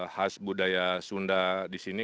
khas budaya sunda disini